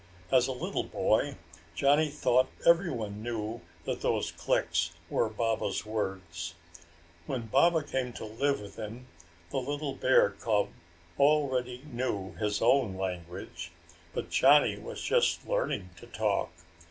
As a little boy, Johnny thought everyone knew that those clicks were Baba's words. When Baba came to live with him, the little bear cub already knew his own language, but Johnny was just learning to talk.